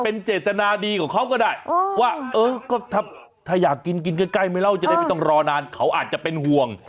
เป็นเจตนาดีของเขาก็ได้ว่าเออก็ถ้าอยากกินกินใกล้ไม่เล่าจะได้ไม่ต้องรอนานเขาอาจจะเป็นห่วง